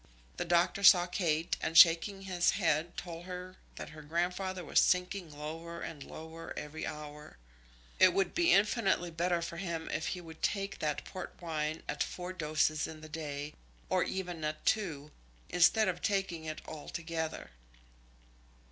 The doctor saw Kate, and, shaking his head, told her that her grandfather was sinking lower and lower every hour. It would be infinitely better for him if he would take that port wine at four doses in the day, or even at two, instead of taking it all together.